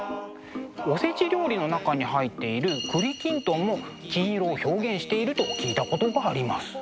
おせち料理の中に入っている栗きんとんも金色を表現していると聞いたことがあります。